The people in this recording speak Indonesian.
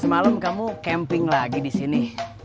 semalam kamu camping lagi di sini